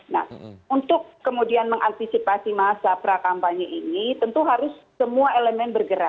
nah untuk kemudian mengantisipasi masa prakampanye ini tentu harus semua elemen bergerak